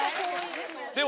でも。